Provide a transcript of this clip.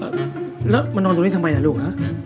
เฮะแล้วมานอนตรงนี้ทำไมนะลูก